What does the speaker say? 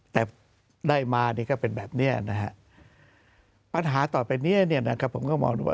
แต่ได้มานี่ก็เป็นแบบนี้นะฮะปัญหาต่อไปนี้เนี่ยนะครับผมก็มองดูว่า